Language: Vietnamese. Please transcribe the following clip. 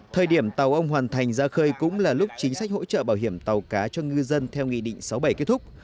thời điểm tàu ông hoàn thành ra khơi cũng là lúc chính sách hỗ trợ bảo hiểm tàu cá cho ngư dân theo nghị định sáu bảy kết thúc